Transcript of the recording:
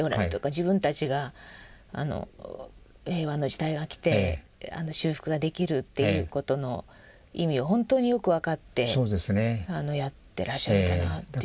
自分たちが平和の時代が来て修復ができるっていうことの意味を本当によく分かってやってらっしゃるんだなっていう。